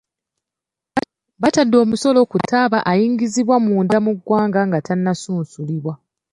Batadde omusolo ku ttaaba ayingizibwa munda mu ggwanga nga tannasunsulibwa.